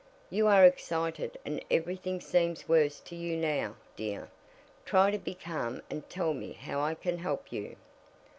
"You are excited and everything seems worse to you now, dear. Try to be calm and tell me how I can help you."